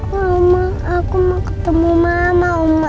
mama aku mau ketemu mama